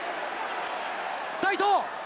齋藤。